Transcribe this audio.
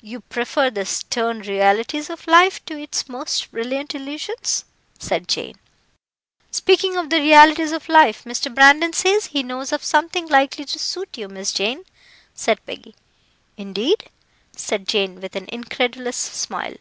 "You prefer the stern realities of life to its most brilliant illusions," said Jane. "Speaking of the realities of life, Mr. Brandon says he knows of something likely to suit you, Miss Jane," said Peggy. "Indeed!" said Jane, with an incredulous smile.